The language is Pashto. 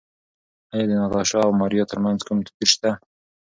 ایا د ناتاشا او ماریا ترمنځ کوم توپیر شته؟